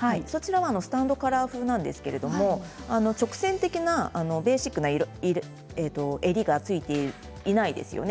スタンドカラー風なんですけど直線的なベーシックな襟がついていないですよね。